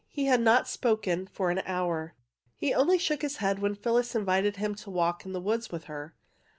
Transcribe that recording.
He had not spoken for an hour. He only shook his head when Phyllis invited him to walk in the woods with her.